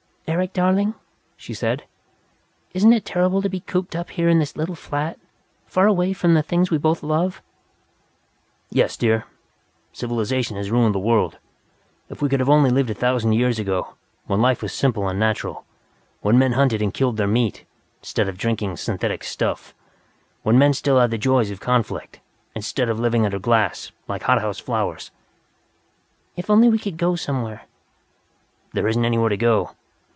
"Eric, darling," she said, "isn't it terrible to be cooped up here in this little flat, away from the things we both love?" "Yes, dear. Civilization has ruined the world. If we could only have lived a thousand years ago, when life was simple and natural, when men hunted and killed their meat, instead of drinking synthetic stuff, when men still had the joys of conflict, instead of living under glass, like hot house flowers." "If we could only go somewhere " "There isn't anywhere to go.